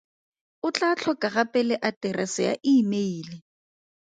O tla tlhoka gape le aterese ya imeile.